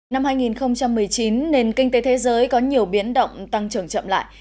năm hai nghìn một mươi chín nền kinh tế thế giới có nhiều biến động tăng trưởng chậm lại